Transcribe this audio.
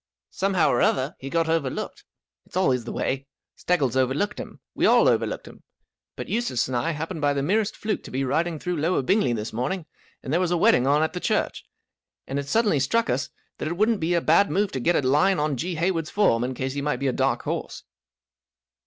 " Somehow or other, he got over¬ looked. It's always the way. Steggles overlooked him. We all overlooked him. But Eustace and I happened by the merest fluke to be riding through Lower Bingley this morning, and there .was a wedding on at the church, and it suddenly struck us that it wouldn't be a bad move to get a line on G. Hayward's form, in case he might be a dark horse."